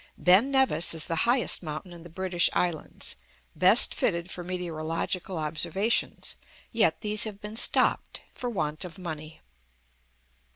Ben Nevis is the highest mountain in the British Islands, best fitted for meteorological observations; yet these have been stopped for want of money.